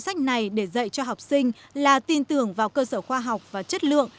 lựa chọn bộ sách này để dạy cho học sinh là tin tưởng vào cơ sở khoa học và chất lượng